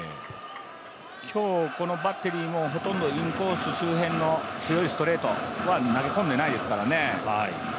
今日このバッテリーもほとんどインコース周辺の強いストレートは投げ込んでいませんからね。